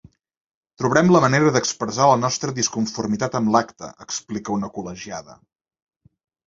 Trobarem la manera d’expressar la nostra disconformitat amb l’acte, explica una col·legiada.